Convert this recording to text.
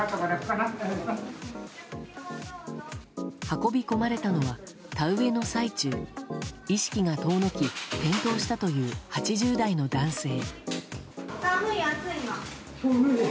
運び込まれたのは田植えの最中、意識が遠のき転倒したという８０代の男性。